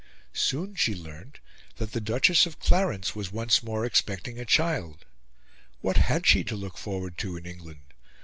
Soon she learnt that the Duchess of Clarence was once more expecting a child. What had she to look forward to in England?